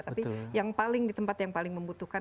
tapi yang paling di tempat yang paling membutuhkan